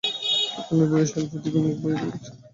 আমি বইয়ের শেলফের দিকে মুখ করে বইগুলোর নামের দিকে তাকিয়ে রইলুম।